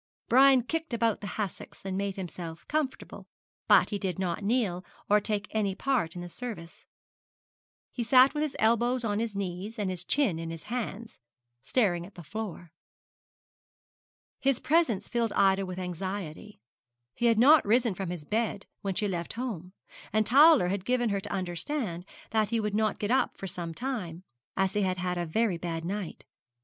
Brian kicked about the hassocks, and made himself comfortable; but he did not kneel, or take any part in the service. He sat with his elbows on his knees, and his chin in his hands, staring at the floor. His presence filled Ida with anxiety. He had not risen from his bed when she left home, and Towler had given her to understand that he would not get up for some time, as he had had a very bad night.